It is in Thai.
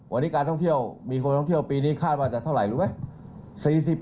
วันนี้การท่องเที่ยวมีคนท่องเที่ยวปีนี้คาดว่าจะเท่าไหร่รู้ไหม